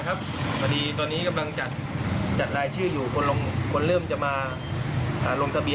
ก้าวครึ่งแล้วก็อย่าลืมให้ทางพี่